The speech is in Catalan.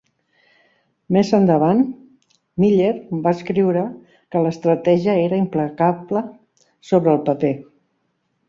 Més endavant, Miller va escriure que l'estratègia era impecable sobre el paper.